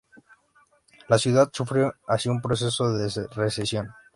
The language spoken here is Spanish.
La ciudad sufre así un proceso de recesión.